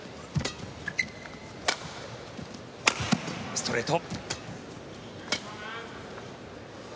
ストレート。